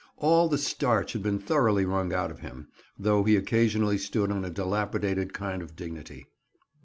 All the starch had been thoroughly wrung out of him, though he occasionally stood on a dilapidated kind of dignity.